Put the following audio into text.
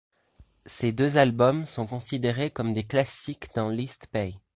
Ces deux albums sont considérés comme des classiques dans l'East Bay.